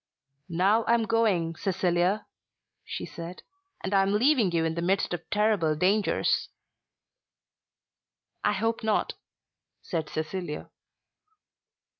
"Now I am going, Cecilia," she said, "and am leaving you in the midst of terrible dangers." "I hope not," said Cecilia.